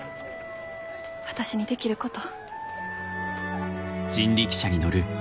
私にできること。